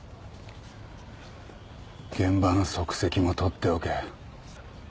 現場の足跡も撮っておけ。